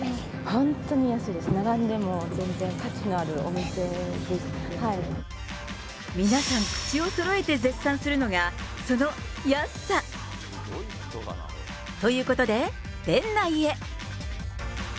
本当に安いです、並んでも全然価皆さん口をそろえて絶賛するのが、その安さ。ということで、店内へ。